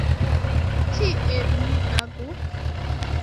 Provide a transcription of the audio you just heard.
Kiel ni agu?